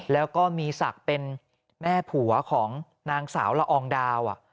แล้วก็มีศักดิ์เป็นแม่ผัวของนางสาวละอองดาว